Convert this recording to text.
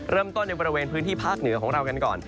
ในบริเวณพื้นที่ภาคเหนือของเรากันก่อน